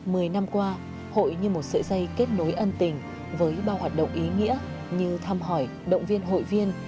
mười năm qua hội như một sợi dây kết nối ân tình với bao hoạt động ý nghĩa như thăm hỏi động viên hội viên